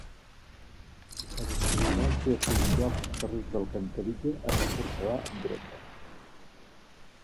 La vigilància policial dels carrers d'Alcantarilla es reforçarà amb drons.